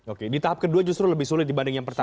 oke di tahap kedua justru lebih sulit dibanding yang pertama